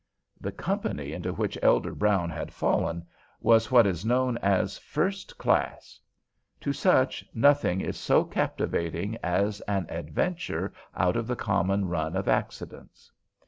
The company into which Elder Brown had fallen was what is known as "first class." To such nothing is so captivating as an adventure out of the common run of accidents.